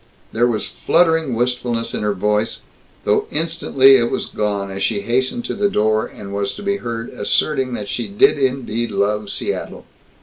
_" There was fluttering wistfulness in her voice, though instantly it was gone as she hastened to the door and was to be heard asserting that she did indeed love Seattle.